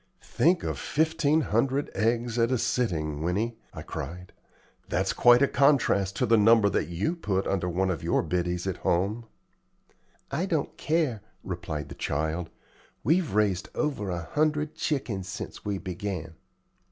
"Think of fifteen hundred eggs at a sitting, Winnie!" I cried; "that's quite a contrast to the number that you put under one of your biddies at home." "I don't care," replied the child; "we've raised over a hundred chickens since we began."